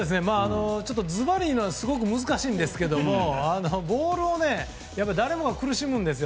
ズバリを言うのはすごく難しいんですがボールを誰もが苦しむんですよ。